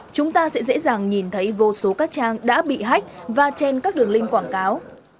chúng ta sẽ dễ dàng nhìn thấy vô số các trang đã bị hách và trên các đường linh quảng cáo